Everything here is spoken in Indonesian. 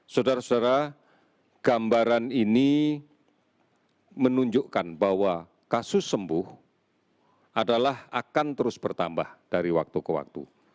saudara saudara gambaran ini menunjukkan bahwa kasus sembuh adalah akan terus bertambah dari waktu ke waktu